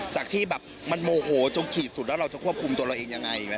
จากที่แบบมันโมโหจนขีดสุดแล้วเราจะควบคุมตัวเราเองยังไง